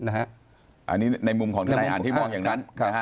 อันนี้ในมุมของทนายอันที่มองอย่างนั้น